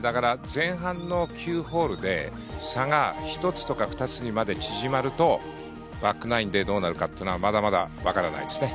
前半の９ホールで差が１つとか２つにまで縮まるとバックナインでどうなるかはまだまだわからないですね。